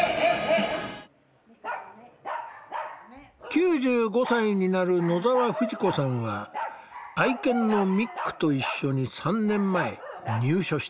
９５歳になる野澤冨士子さんは愛犬のミックと一緒に３年前入所した。